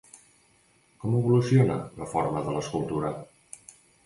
Com evoluciona la forma de l'escultura?